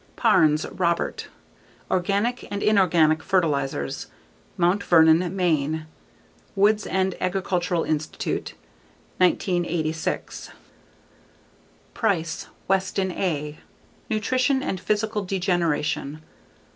_ Parnes, Robert. _Organic and Inorganic Fertilizers. _Mt. Vernon, Maine: Woods End Agricultural Institute, 1986. Price, Weston A. _Nutrition and Physical Degeneration.